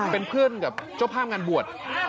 เป็นเพื่อนกับเจ้าภาพงานบวช